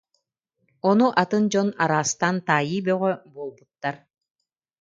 Ону атын дьон араастаан таайыы бөҕө буолбуттар